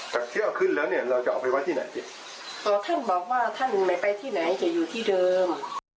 แต่เที่ยวขึ้นแล้วเนี่ยเราจะเอาไปไว้ที่ไหนติดท่านบอกว่าท่านไม่ไปที่ไหนจะอยู่ที่เดิม